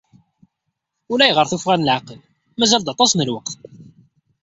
Ulayɣer tuffɣa n leεqel. Mazal-d aṭas n lweqt.